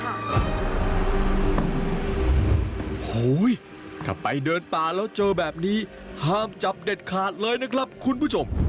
โอ้โหถ้าไปเดินป่าแล้วเจอแบบนี้ห้ามจับเด็ดขาดเลยนะครับคุณผู้ชม